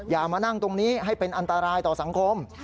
อย่ามานั่งตรงนี้ให้เป็นอันตรายต่อสังคม